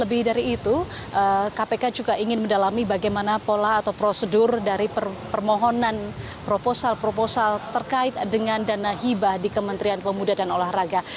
lebih dari itu kpk juga ingin mendalami bagaimana pola atau prosedur dari permohonan proposal proposal terkait dengan dana hibah di kementerian pemuda dan olahraga